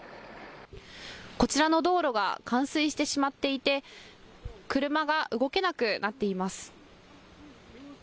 こちらの道路が冠水してしまっていて車が動けなくなっています。